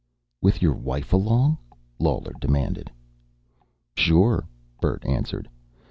"With your wife along?" Lawler demanded. "Sure," Bert answered.